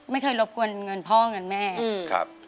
ไม่เคยรบกวนเงินพ่อเงินแม่ใช่ค่ะ